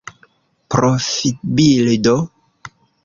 profbildo